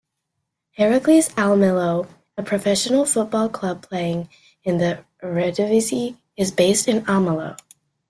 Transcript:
Heracles Almelo, a professional football club playing in the Eredivisie is based in Almelo.